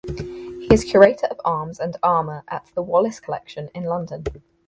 He is Curator of Arms and Armour at the Wallace Collection in London.